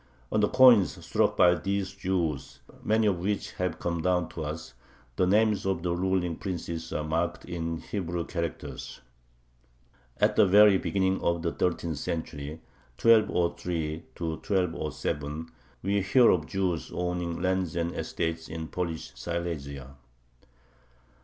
On the coins struck by these Jews, many of which have come down to us, the names of the ruling princes are marked in Hebrew characters. At the very beginning of the thirteenth century (1203 1207) we hear of Jews owning lands and estates in Polish Silesia.